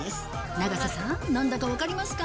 永瀬さん、なんだか分かりますか？